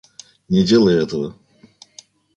Не делай этого!